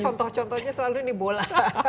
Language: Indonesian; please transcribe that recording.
contoh contohnya selalu ini bola